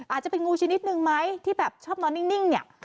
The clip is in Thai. อาจจะเป็นงูชนิดหนึ่งไหมที่ชอบนอนนิ่ง